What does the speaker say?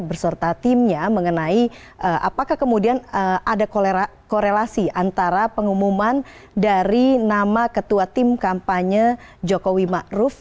berserta timnya mengenai apakah kemudian ada korelasi antara pengumuman dari nama ketua tim kampanye jokowi ⁇ maruf ⁇